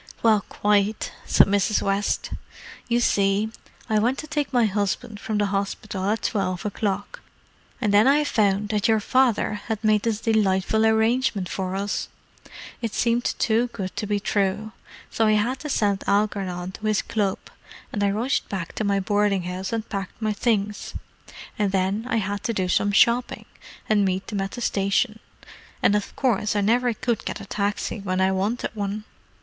"Well, quite," said Mrs. West. "You see, I went to take my husband from the hospital at twelve o'clock, and then I found that your father had made this delightful arrangement for us. It seemed too good to be true. So I had to send Algernon to his club, and I rushed back to my boarding house and packed my things: and then I had to do some shopping, and meet them at the station. And of course I never could get a taxi when I wanted one.